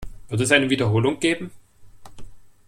Wird es eine Wiederholung geben?